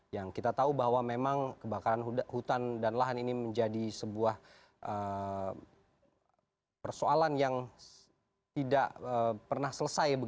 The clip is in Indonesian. yang kita tahu bahwa memang kebakaran hutan dan lahan ini menjadi sebuah persoalan yang tidak pernah selesai